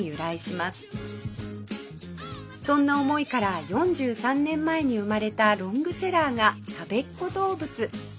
そんな思いから４３年前に生まれたロングセラーがたべっ子どうぶつ